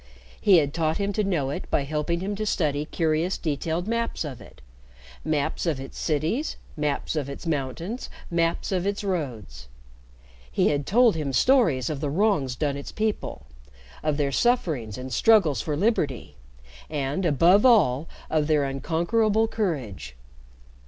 He had taught him to know it by helping him to study curious detailed maps of it maps of its cities, maps of its mountains, maps of its roads. He had told him stories of the wrongs done its people, of their sufferings and struggles for liberty, and, above all, of their unconquerable courage.